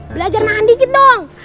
belajar nahan digit dong